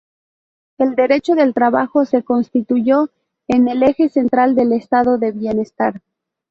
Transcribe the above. El derecho del trabajo se constituyó en el eje central del estado de bienestar.